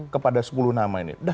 kepada sepuluh nama ini